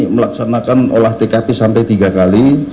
melaksanakan olah tkp sampai tiga kali